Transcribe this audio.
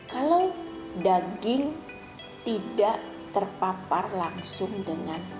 kalau daging tidak terpapar langsung dengan